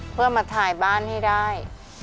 เพื่อมาถ่ายบ้านให้ได้